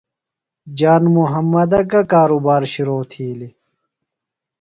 جان محمدہ گہ کاروبار شرو تِھیلیۡ؟